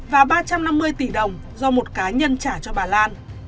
và ba trăm năm mươi tỷ đồng do một cá nhân trả cho bà lan